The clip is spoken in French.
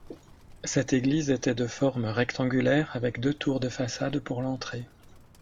Cette église était de forme rectangulaire avec deux tours de façade pour l'entrée.